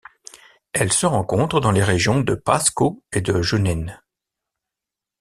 Elle se rencontre dans les régions de Pasco et de Junín.